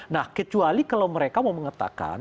nah kecuali kalau mereka mau mengatakan